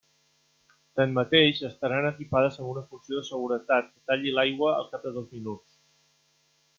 Tanmateix, estaran equipades amb una funció de seguretat que talli l'aigua al cap de dos minuts.